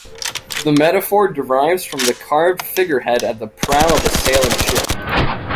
The metaphor derives from the carved figurehead at the prow of a sailing ship.